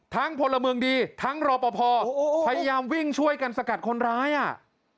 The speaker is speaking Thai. พลเมืองดีทั้งรอปภพยายามวิ่งช่วยกันสกัดคนร้ายอ่ะ